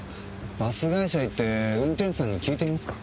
バス会社へ行って運転手さんに聞いてみますか？